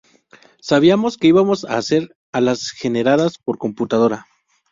Sabíamos que íbamos a hacer alas generadas por computadora.